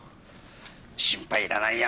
心配いらないよ。